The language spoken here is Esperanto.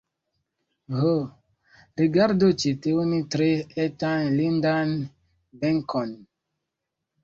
Ho, rigardu ĉi tiun tre etan lindan benkon!